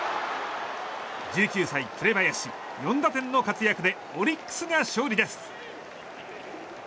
１９歳、紅林４打点の活躍でオリックスが勝利です。